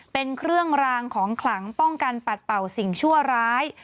เป็นเครื่องรางของขลังป้องกันปัดเป่าสิ่งชั่วร้าย